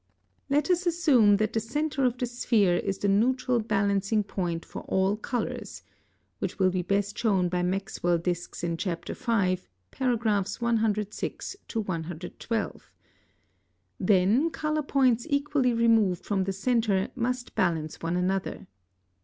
(76) Let us assume that the centre of the sphere is the natural balancing point for all colors (which will be best shown by Maxwell discs in Chapter V., paragraphs 106 112), then color points equally removed from the centre must balance one another.